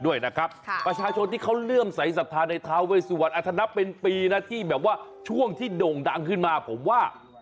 ด้วยนะครับค่ะประชาชนที่เขาเลื่อมใสสัมภาษณ์ในเท้าเวชสุวรรณอธนับเป็นปีน่ะที่แบบว่าช่วงที่โด่งดังขึ้นมาผมว่า